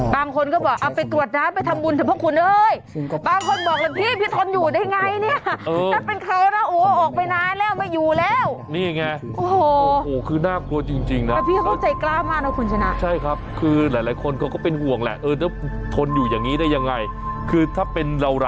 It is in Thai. บางคนก็บอกเอาไปกรวดน้ำไปทำบุญเถอะพวกคุณเฮ้ย